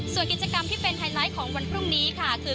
ส่วนกิจกรรมที่เป็นไฮไลท์ของวันพรุ่งนี้ค่ะคือ